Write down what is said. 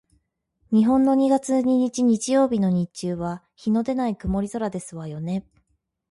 日本の二月二日日曜日の日中は日のでない曇り空ですわよね？